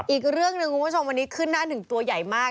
อีกเรื่องหนึ่งคุณผู้ชมวันนี้ขึ้นหน้าหนึ่งตัวใหญ่มาก